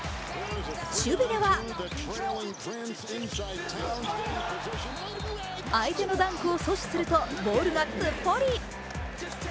守備では相手のダンクを阻止するとボールがすっぽり。